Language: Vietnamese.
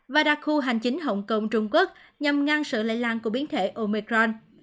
và đặc khu hành chính hồng kông trung quốc nhằm ngăn sự lây lan của biến thể omecron